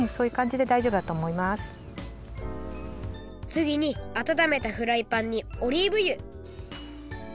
つぎにあたためたフライパンにオリーブゆ。